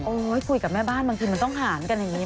คุยกับแม่บ้านบางทีมันต้องหารกันอย่างนี้